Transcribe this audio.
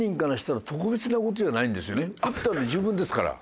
打ったの自分ですから。